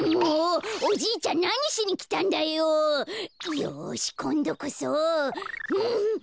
よしこんどこそ。